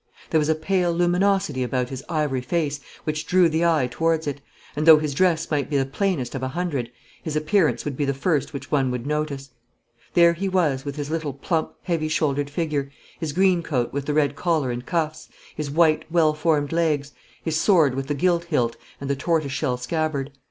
There was a pale luminosity about his ivory face which drew the eye towards it, and though his dress might be the plainest of a hundred, his appearance would be the first which one would notice. There he was, with his little plump, heavy shouldered figure, his green coat with the red collar and cuffs, his white, well formed legs, his sword with the gilt hilt and the tortoise shell scabbard.